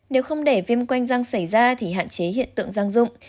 nếu không để viêm quanh răng xảy ra thì hạn chế hiện tượng răng dụng